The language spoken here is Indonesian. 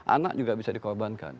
anak juga bisa dikorbankan